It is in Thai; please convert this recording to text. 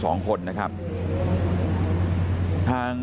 กระดิ่งเสียงเรียกว่าเด็กน้อยจุดประดิ่ง